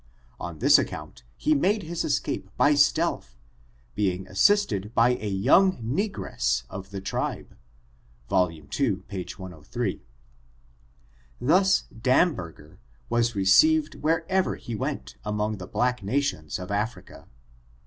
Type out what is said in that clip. On this account he made his escape by stealth, being assisted by a young negress of the tribe. YoL ii, p. 103. Thus Damberger was received wherever he went among the black nations of Africa.